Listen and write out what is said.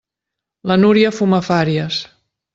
La Núria fuma fàries.